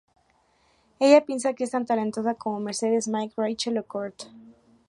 Ella piensa que es tan talentosa como Mercedes, Mike, Rachel o Kurt.